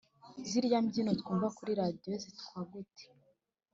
zirya mbyino twumva kuri radiyo zitwa gute